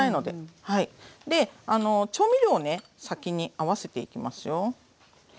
で調味料をね先に合わせていきますよ。